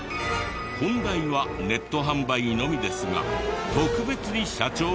本来はネット販売のみですが特別に社長がご用意を。